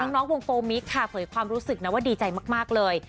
น้องวงโปรมิกเผยความรู้สึกดีใจมากเลย